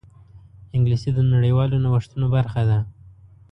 انګلیسي د نړیوالو نوښتونو برخه ده